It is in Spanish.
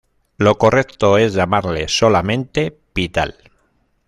Lo correcto es llamarle solamente Pital.